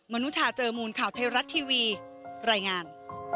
นุชาเจอมูลข่าวไทยรัฐทีวีรายงาน